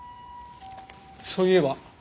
そういえば。